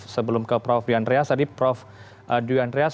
sebelum ke prof dian andreas tadi prof dwi andreas